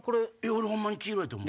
俺ホンマに黄色やと思う。